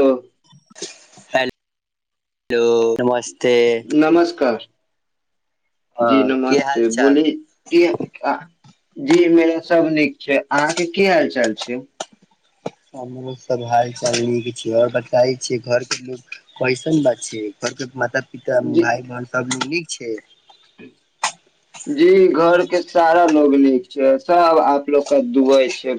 hello हे hello नमस्ते नमस्कार जी हँ की हाल नमस्ते चाल बोले की जी मेरा सब नीक छै अहाँके की हाल चाल छै हमरो सब हाल चाल नीक छै आओर बताै छियै घर के लोग कैसन बा छै के माता पिता जी भाई बहन सब लोग नीक छै [unintelligible] जी घर के सारा लोग नीक छै सब आपलोग के दुवई छै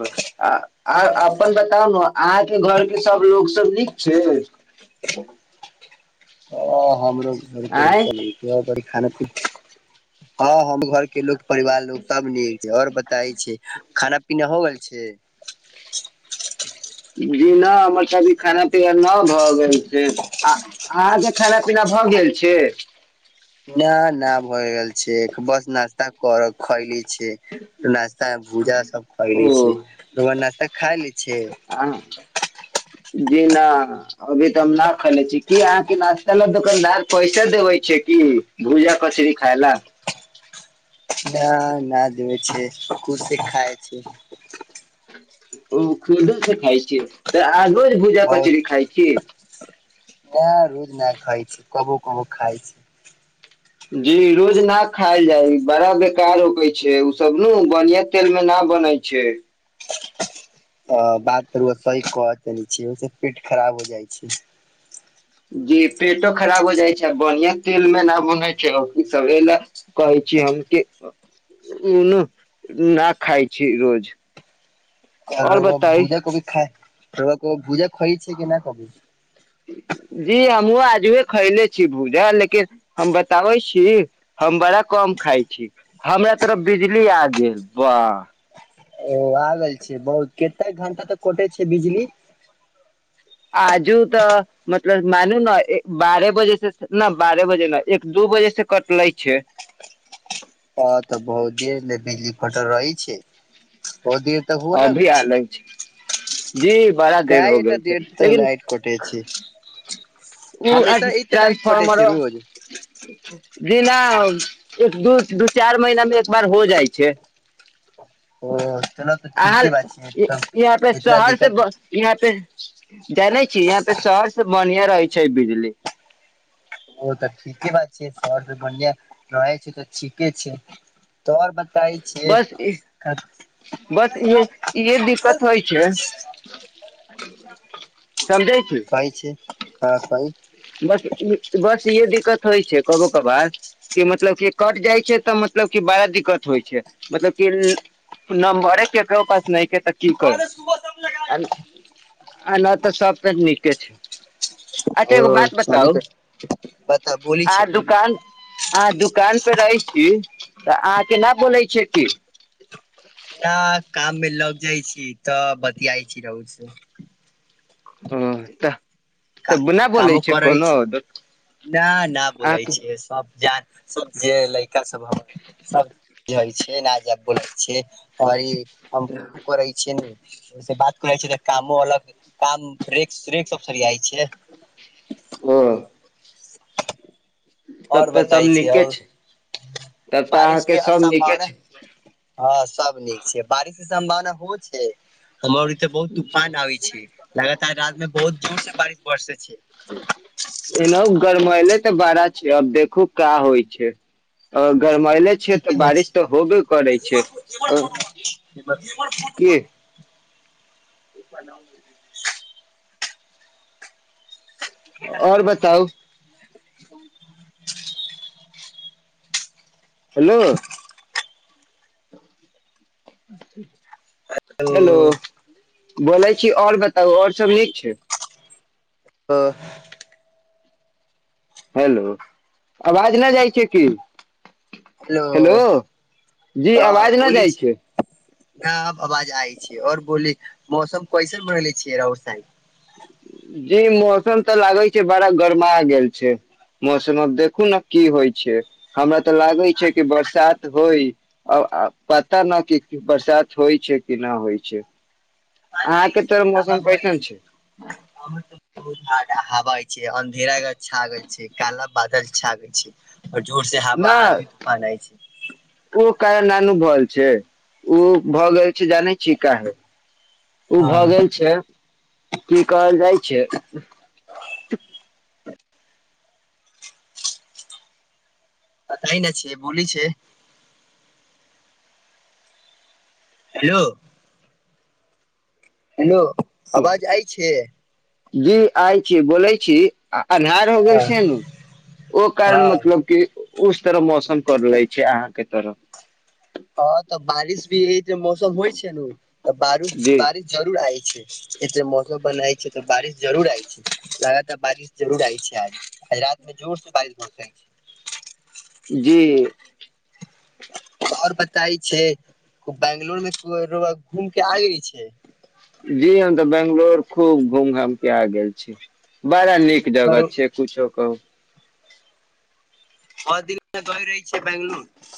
आ अपन बताउ ने अहाँके घर के सब लोकोग सब नीक छै ह ह हमरो घर आँय चली खाना पी हँ घर के ल परिवार लोको सब नीक छै आओर बताय छै खाना पीना हो गेल छै जी नहि हमर तभी खाना पीना न भऽ गेल छै आ अहाँके खाना पीना भऽ गेल छै न न भए गेल छै बस नास्ता कर खैयली नास्ता मे भूजा सब ओ खेयली छै नाास्ता खा ले आ जी नहि अभी तऽ हम न खेले छी की अहाँके नाश्ता वा दुकानदार पैसा देवे छै क कि भूजा कचरी खाय ल न न देै छै खुदसँ खाय छै ओ खुदो से खाइ छी तऽ आहाँ रोज भूजा कचरी खाइ छी नहि रोज नहि खाइ छी कबो कबो खाइ छी जी रोज न खायल जाय बड़ा बेकार होखय छै बाड़ा बेकार होखय छै उसब न बनिया तेल मे न बनय छै अ बात त रउआ सही कहतऽ नहि छ ओहिसँ पेट खराब हो जाइ छै जी पेटो खराब हो जाइ छै आ बढ़िया तेल मे न बुनै छै सब ल कहै छै हम उ न उ न खाय छी रोज आर और र बताई भूजा कभी खाइ र भूजा खइ छै कि नहि क [unintelligible] जी हमहुँ आजुए खैले छी भूजा लेकिन हम बताबै छी हम बड़ा कम खाइ छी हमरा तरफ बिजली आ गेल बाह ओ आग गेल छै बहुत कतेक घंटा तऽ कटे छै बिजली आजू तऽ मतलब मानू ने बारह बजे से नहि बारह बजे न एक दू दु बजे से कटले छै हँ तऽ बहु जे बिजली कटल रहै छै बहुत देर तक हो न अभी गेल आलै छै जी बड़ा देर काहे हो एते गेल छै देर तक लेकिन लाइट कटे छै उ हमेशा एते लाइट कटे ट्रांसफर छै रोज बिना एक दू दू चार महिना मे एक बार हो जाइ छै ओ चलऽ तऽ अ ठीके बात छै तब यहाँ पे इतना शहर से दिक्कत यहाँ पे जानै छीयै यहाँ पे शहर से बढ़िआं रहै छै बिजली ओ तऽ ठीके बात छै शहर से बढ़िआ रहै छै तऽ ठीके छै तोर ब कहइ छियै बस इ- बस इहे दिक्कत होइ छै समझै छी कहइ छै हँ कहि बस बस इहे दिक्कत होइ छै कबो कभार कि मतलब क कट जाइ छै तऽ मत मतलब क बड़ा दिक्कत होइ छै मतलब कि न मरे केकर पास नहि के तऽ की करै आ नहि तऽ सबके नीके छै अच्छा ओ एगो बात चली बताउ तऽ बता बोली आहा छै बोली दुकान आहा दुकान पे रहै छी तऽ अहाँ के न बोलै छिय की न काम मे लग जाइ छी तऽ बतियाइ छी रहु से ओ तऽ तऽना बोलै छै कोनो न न बोलै अहाँके छिय सब जान सब जे लै सब समझए छिय स बोलै छ आओर ई हम करै छियै ना ओहिसे बात करै छियै तऽ कामो अलग काम ब्रेक ब्रेक सब सरियाइ छै ह [inaudible] आओर सब बताय छै नीके आओर तब तऽ अहाँके बारिशके सब नीके असम्भावना छै हँ सब नीक छै बारिश के सम्भावना हो छै हमर इे बहुत तूफान आबै छै लगाता रात में बहुत जोर से बारिश बरसे छै एना गरमले तऽ बड़ा छै अब देखू क्या होइ छै अ गरमैले छिय ठीके तऽ न बारिश छै तऽ होबे करै छै ब की [inaudible] [inaudible] आओर बताउ [inaudible] हेलो [inaudible] हेलो बोलै छी आओर बताउ आओर सभ नीक छै अ हेलो आवाज नहि जाइ छै की हेलो जी हँ आवाज न बोली जाइ छै न आब आवाज आय छै आओर बोली मौसम कैसन बनले छियै राउर साइड जी मौसम तऽ लागै छै बड़ा गरमा गेल छै मौसम अब देखू ने की होइ छै हमरा तऽ लागे छै कि बरसात होइ अब पता न कि बरसात होइ छै कि नहि होइ छै अहाँके मौसम कैसन छै हवा छै अन्धेरा छा आ गेल छै काला बादल छा गेल छै आओर जोर से न हवा आधी तूफान आइ छै नानुभल छै ओ भऽ गेल छै जानै छि काहे ओ हँ भऽ गेल छै की कहल जाइ छै क तइ न छै बोल छै हेलो हेलो अवाज आइ छै जी आइ छै बोलै छी आ अन्हार हो गेल हँ छै नु ओ कारण हँ मतलब कि उ तरफ मौसम करले छै अहाँके तरफ हँ तऽ बारिश भी ई जे मौसम होइ छै ने तऽ बारिश जी बारिश जरूर आय छै एते मौसम बनाय छै तऽ बारिश जरुर आइ छै ल तऽ बारिश जरूर आइ छै आज आ रात में जोर से बारिश भ सकै छै जी [unintelligible] आओर बताय छै बंगलोर मे घूम के आगे छै जी हम तऽ बंगलोर खूब घूम घाम के आ गेल छी बड़ा नीक जगह छै बहुत कुछो कहू ओ दिनमे गइ रहै छै बंगलोर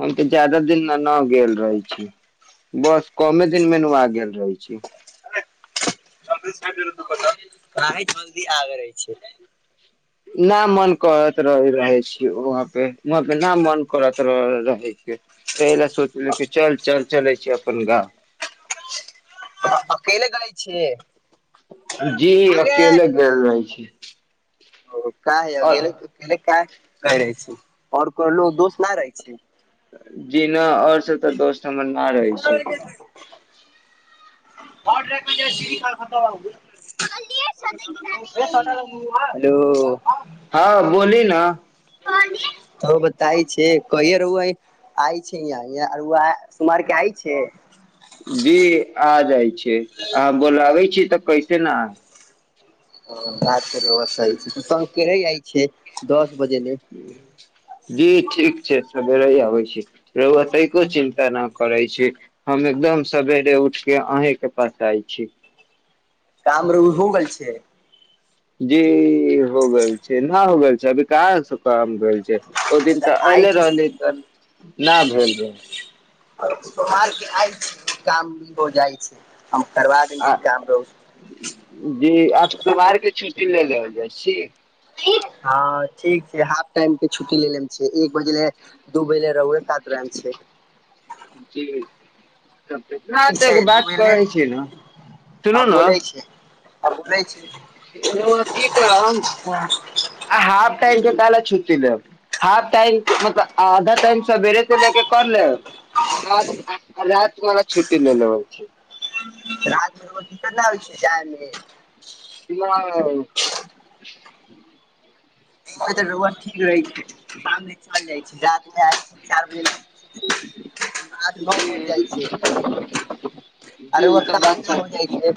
हम तऽ ज्यादा दिन न न गेल रहै छी बस कमे दिन मेनू आगेल रहै छी काहे जल्दी आग रह छै न मन करत रह रहे छी वहाँ पे वहाँ पे ना मन करत रहयके तय लय सोचले के चल चल चलै छै अपन गाँव अकेले गै छै जी अकेले गेल रहि छियै ओ काहे आ गेलै तऽ गेले काहे कहि रहै छी आओर कहलौं दोस्त ना रहै छै जी ना और सब तऽ दोस्त हमर न रहै छै [unintelligible] हेलो हँ बोलही न तऽ बताय छै कहिया रउआ आइ छै यहाँ रौआ सोमवार के आइ छै जी आ जाइ छै अहाँ बोलाबै छी तऽ कैसे न आ ह रातके रउआ सहि छै तऽ संग रहि जाइ छै दस बजे ले [inaudible] जी ठीक छै सबेरे ही आबै छी रौएतैको चिन्ता न करै छी हमे एकदम सवेरे उठ के अहीं के पास आय छी काम रौउर हो गेल छै जी हो गेल छै न हो गेल छै अभी कहाँसँ काम भेल छै ओ दिन तऽ आइ अयले छै रहली तर ना भेल रह सोमवारके आइ छै काम भऽ जाइ छै हम करबा दै आ छी काम रउड़ शुक्रवार के छुट्टी ले लेल जाइ छी हँ ठीक छै हाफ टाइम के छुट्टी ले ले एक बजलय दू बजलय रहुड़े साथ रहम छै जी ठीक छै दू बात बजे ले करै छी न सुनू आ न बोलै छै आ बोलै छै र‌उरा कि करम छुटी लेब हाफ टाइम मतलब आधा टाइम सवेरे से लेके कर ले मरा छुट्टी ल लबै छै राजमे रोजी करना होै छै जायमे जी [unintelligible] [unintelligible] रहै छै साम‌ में चल जाइ छै रातिमे आ चारि बजे आठ नौ बज जाइ छै जी अरे व ई तऽ काम बात न हो सही जाइ छै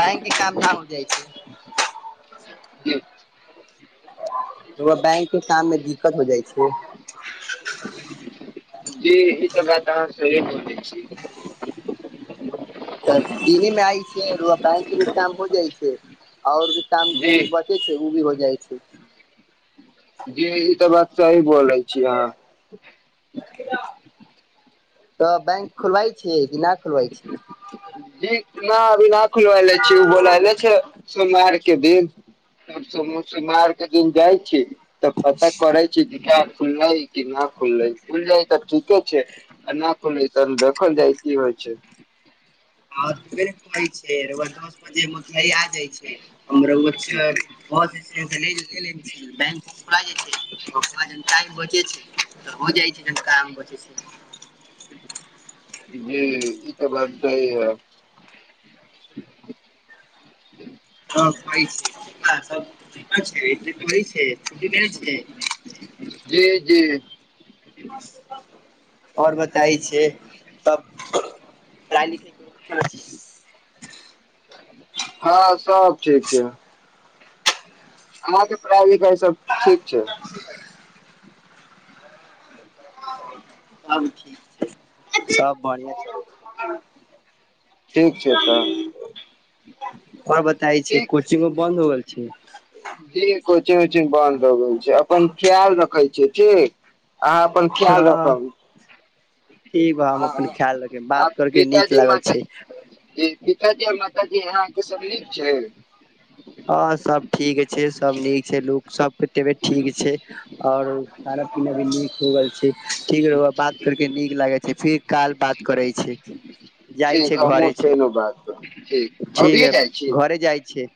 बैंक के काम न हो जाइ छै जी बैंक के काम मे दिक्कत हो जाय छै जी ई त बात अहाँ सही बोलले छियै तऽ दीही मे आइ छै बैंक भी काम हो जाइ छै आओर भी काम जी जे बचे छै ओ भी हो जाइ छै जी ई तऽ बात सही बोलै छी अहाँ तऽ बैंक खोलवाय छियै कि नाय खोलवाय छियै जी न अभी ना खुलवले छी उ बोलेयले छै सोमवार के दिन परसो सोमवार के दिन जाय छियै तऽ पता करै छी खुले कि ना खुलले खुल जा तऽ ठीके छै आ ना खुलले त देखल जाय की होइ छै आरे कहै छै र‌उवा दस बजे में [unintelligible] भ जाय छै जी ते काम बचैय जी ई तऽ बात सही है [unintelligible] ह छै छै कहइ छै छुी करै छै जी जी आओर बताय छै तब लाली हँ सब ठीक छै अहाँके पढ़ाई लिखाई सब ठीक छै अब कि सब बढ़िया छै ठीक छै तऽ आओर बताय छै ठीक कोचिंगो बन्द हो गेल छै जी कोचिंग उचिंग बंन्द हो गेल छै अपन ख्याल रखे छी ठीक अहाँ अपन ख्याल हँ रखब ठीक बा हम हँ अपन ख्याल रखे आ बात करके नीक पिताजी माँ लागल के छै पिताजी आ माताजी अहाँके सब नीक छै हँ सब ठीक छै सब नीक छै लोक सब तबियत ठीक छै आओर खाना पीना भी नीक हो गेल छै ठीक रउआ बात करके नीक लागै छै फिर काल बात करै छी जाइ ठीक छै हमहुँ घरे छै बात ठीक अभिये ठीके जाइ छी घरे जाइ छै